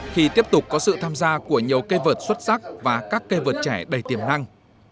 khi tiếp tục có sự tham gia của nhiều cây vượt xuất sắc và các cây vượt trẻ đầy tiềm năng